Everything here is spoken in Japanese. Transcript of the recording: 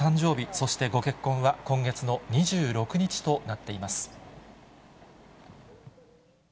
そしてご結婚は今月の２６日となっています。